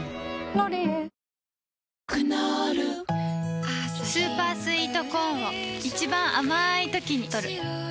「ロリエ」クノールスーパースイートコーンを一番あまいときにとる